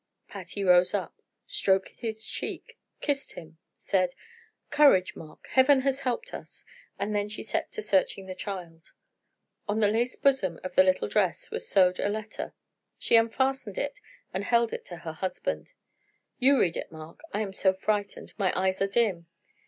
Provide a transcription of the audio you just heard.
Patty rose up, stroked his cheek, kissed him, said: "Courage, Mark! Heaven has helped us!" and then she set to searching the child. On the lace bosom of the little dress was sewed a letter. She unfastened it and held it to her husband. "You read it, Mark. I am so frightened, my eyes are dim.